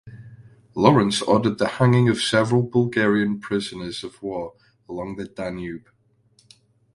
Lawrence ordered the hanging of several Bulgarian prisoners of war along the Danube.